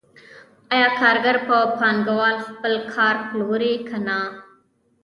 آیا کارګر په پانګوال خپل کار پلوري که نه